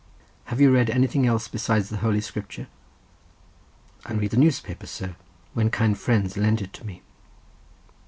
"Have you read anything else besides the Holy Scripture?" "I read the newspaper, sir, when kind friends lend it to me."